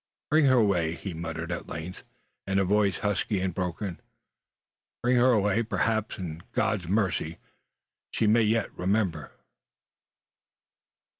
"Bring her away!" he muttered, at length, in a voice husky and broken; "bring her away! Perhaps, in God's mercy, she may yet remember."